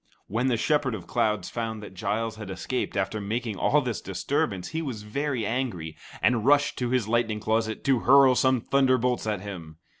When the Shepherd of Clouds found that Giles had escaped after making all this disturbance, he was very angry, and rushed to his lightning closet to hurl some thunderbolts at him.